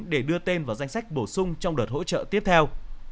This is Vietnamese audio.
để đưa tên vào danh sách bổ sung trong đợt hỗ trợ tiếp theo